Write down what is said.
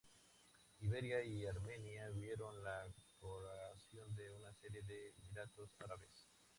Iberia y Armenia vieron la creación de una serie de emiratos árabes.